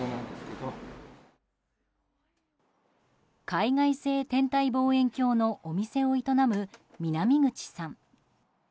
海外製天体望遠鏡のお店を営む南口さん。